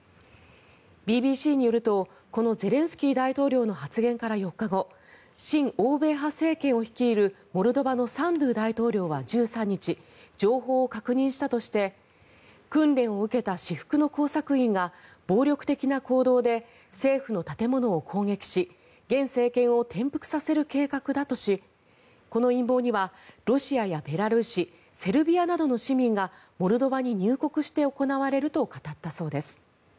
ＢＢＣによるとこのゼレンスキー大統領の発言から４日後親欧米派政権を率いるモルドバのサンドゥ大統領は１３日、情報を確認したとして訓練を受けた私服の工作員が暴力的な行動で政府の建物を攻撃し現政権を転覆させる計画だとしこの陰謀にはロシアやベラルーシセルビアなどの市民がモルドバに入国して行われると語ったそうです。